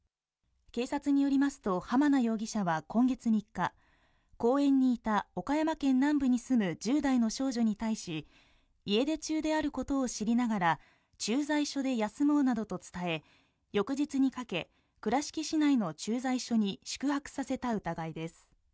警察によりますと濱名容疑者は今月３日公園にいた岡山県南部に住む１０代の少女に対し、家出中であることを知りながら駐在所で休もうなどと伝え翌日にかけ倉敷市内の駐在所に宿泊させた疑いです。